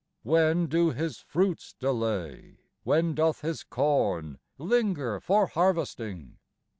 When do his fruits delay, when doth his corn Linger for harvesting?